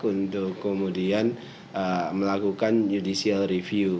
untuk kemudian melakukan judicial review